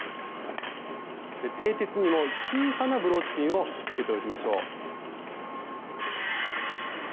てい鉄にも小さなブローチピンをつけておきましょう。